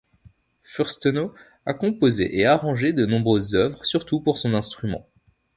Fürstenau a composé et arrangé de nombreuses œuvres, surtout pour son instrument.